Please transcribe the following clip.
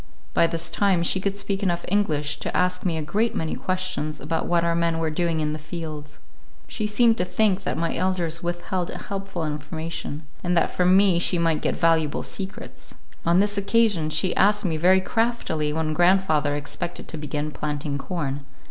By this time she could speak enough English to ask me a great many questions about what our men were doing in the fields. She seemed to think that my elders withheld helpful information, and that from me she might get valuable secrets. On this occasion she asked me very craftily when grandfather expected to begin planting corn.